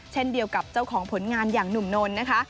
เช่นเดียวกับเจ้าของผลงานอย่างหนุ่มนนท์นะคะ